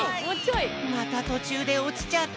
またとちゅうでおちちゃった。